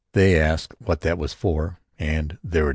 They asked what that was for and there it ended.